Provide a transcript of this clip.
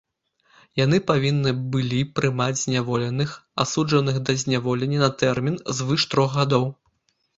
Яны павінны былі прымаць зняволеных, асуджаных да зняволення на тэрмін звыш трох гадоў.